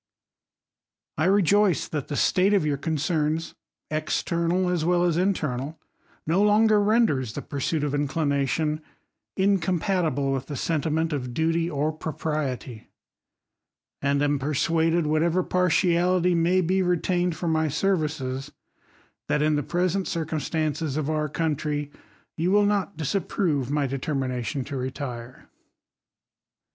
I rejoice, that the state of your corrcerns, external as well as internal, no longer renders the pursuit of incU 1| aation incompatible with the sentiment of duty, or pro ^ priety ; and am persuaded, whatever partiality may be retaiiied for my services, that in the present circum . stances of our country, you will not disapprove my* determination to retire.